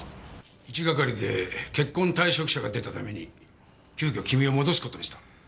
一係で結婚退職者が出たために急遽君を戻す事にした。